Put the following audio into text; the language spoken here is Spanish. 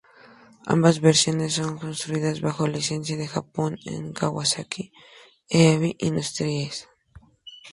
Ambas versiones son construidas bajo licencia en Japón por Kawasaki Heavy Industries.